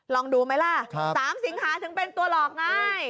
ลองดูไหมล่ะ๓สิงหาถึงเป็นตัวหลอกง่าย